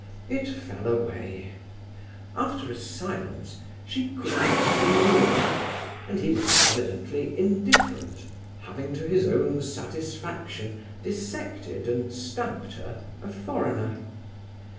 It fell away. After a silence, she could not renew it; and he was evidently indifferent, having to his own satisfaction dissected and stamped her a foreigner.